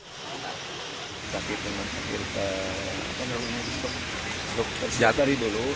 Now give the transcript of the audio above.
sakit dengan sakit terlalu jatuh